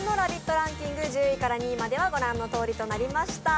ランキング、１０位から２位までは御覧のとおりとなりました。